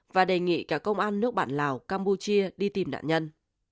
và đề nghị cả công an nước bản lào campuchia đi tìm nạn nhân